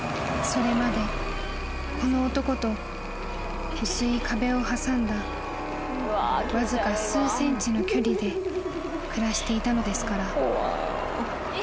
［それまでこの男と薄い壁を挟んだわずか数ｃｍの距離で暮らしていたのですから］